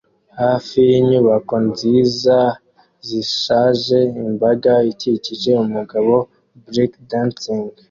Hafi yinyubako nziza zishaje imbaga ikikije umugabo breakdancing